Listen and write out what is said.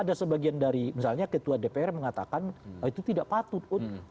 ada sebagian dari misalnya ketua dpr mengatakan itu tidak patut